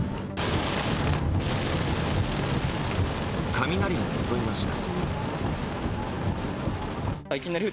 雷も襲いました。